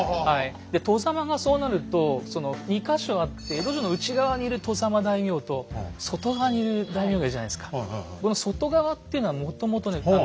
で外様がそうなると２か所あって江戸城の内側にいる外様大名と外側にいる大名がいるじゃないですか。